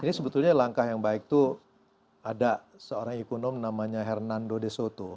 ini sebetulnya langkah yang baik itu ada seorang ekonom namanya hernando de soto